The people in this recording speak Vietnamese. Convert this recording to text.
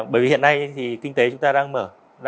bởi vì hiện nay thì kinh tế chúng ta đang mở